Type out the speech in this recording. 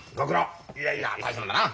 いやいや大したもんだな。